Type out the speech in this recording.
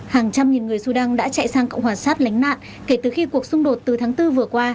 hàng trăm nghìn người sudan đã chạy sang cộng hòa sát lánh nạn kể từ khi cuộc xung đột từ tháng bốn vừa qua